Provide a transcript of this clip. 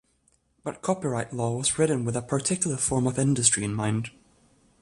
But copyright law was written with a particular form of industry in mind.